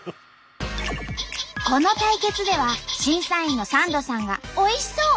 この対決では審査員のサンドさんがおいしそう！